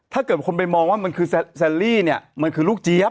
ถ้าเกิดคนไปมองว่ามันคือแซลลี่เนี่ยมันคือลูกเจี๊ยบ